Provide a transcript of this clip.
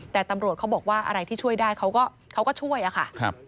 แต่ตำรวจเขาบอกว่าอะไรที่ช่วยได้เขาก็ช่วยอะค่ะ